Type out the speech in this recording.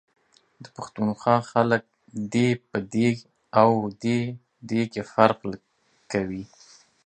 د پښتونخوا خلک دی ، په دي او دی.دے کي فرق کوي ،